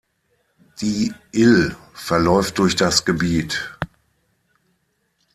Die Ill verläuft durch das Gebiet.